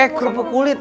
eh kerupuk kulit